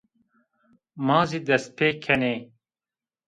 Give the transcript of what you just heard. Ma zî dest pêkenî